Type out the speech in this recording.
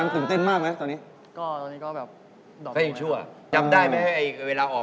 เขาจับเฉย